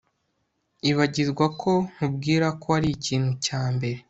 ibagirwa ko nkubwira ko arikintu cya mbere